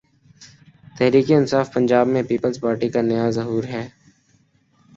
تحریک انصاف پنجاب میں پیپلز پارٹی کا نیا ظہور ہے۔